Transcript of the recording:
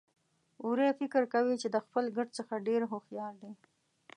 وری فکر کوي چې د خپل ګډ څخه ډېر هوښيار دی.